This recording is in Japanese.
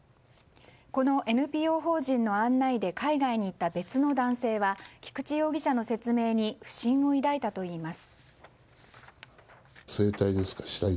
このＮＰＯ法人の案内で海外に行った別の男性は菊池容疑者の説明に不信を抱いたといいます。